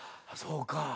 あっそうか。